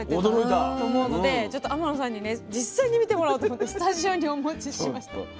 驚いた。と思うのでちょっと天野さんにね実際に見てもらおうと思ってスタジオにお持ちしました。